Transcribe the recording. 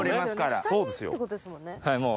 下にってことですもんね？